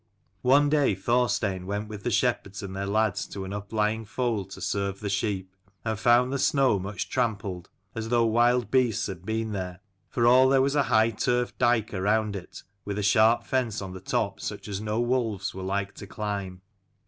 One day Thorstein went with the shepherds and their lads to an uplying fold to serve the sheep, and found the snow much trampled, as though wild beasts had been there, for all there was a high turf dike around it, with a sharp fence on the top such as no wolves were like to climb.